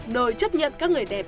nơi chấp nhận các người đẹp